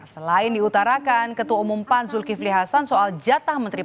selain diutarakan ketua umum pan zulkifli hasan soal jatah menteri